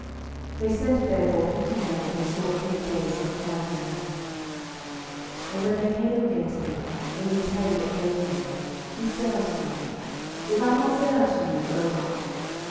They sent therefore fifty men; and they sought three days, but found him not. 12:002:018 And when they came again to him, (for he tarried at Jericho,) he said unto them, Did I not say unto you, Go not?